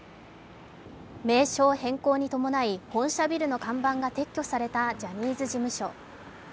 名称変更に伴い本社ビルの看板が撤去されたジャニーズ事務所。